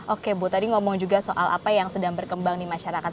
oke bu tadi ngomong juga soal apa yang sedang berkembang di masyarakat